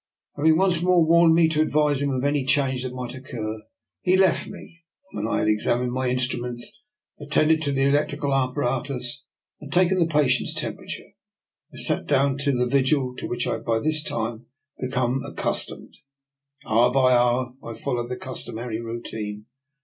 Having once more warned me to. advise him of any change that might occur, he left me, and when I had examined my instruments, attended to the electrical apparatus, and taken the patient's temperature, I sat down to the vigil to which I had by this time be come accustomed. Hour by hour I followed the customary routine.